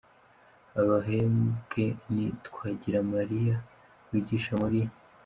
abahembwe ni Twagiramaliya, wigisha muri